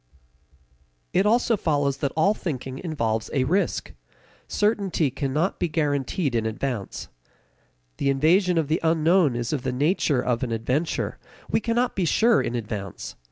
It also follows that all thinking involves a risk. Certainty cannot be guaranteed in advance. The invasion of the unknown is of the nature of an adventure; we cannot be sure in advance.